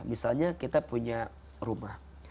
misalnya kita punya rumah